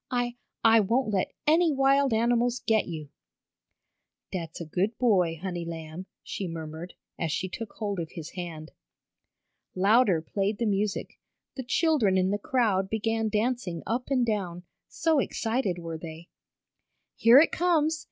"I I won't let any wild animals get you!" "Dat's a good boy, honey lamb!" she murmured, as she took hold of his hand. Louder played the music. The children in the crowd began dancing up and down, so excited were they. "Here it comes!